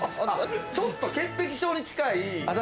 ちょっと潔癖症に近い。